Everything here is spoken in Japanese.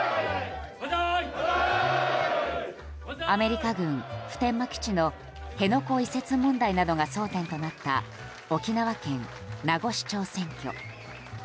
アメリカ軍普天間基地の辺野古移設問題などが争点となった沖縄県名護市長選挙。